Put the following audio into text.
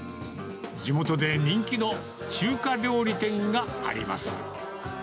地元で人気の中華料理店があります。